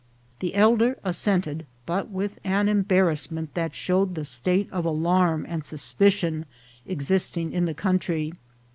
The elder assented, but with an embarrassment that showed the state of alarm and suspicion existing in the country.